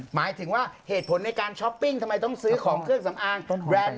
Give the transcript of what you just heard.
หมายถึงว่าเหตุผลในการช้อปปิ้งทำไมต้องซื้อของเครื่องสำอางแรนด์